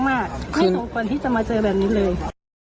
ไม่สมควรที่จะมาเจอแบบนี้เลย